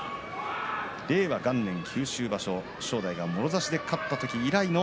令和元年九州場所、正代がもろ差しで勝った時以来の